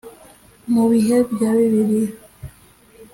Mu bihe bya bibiliya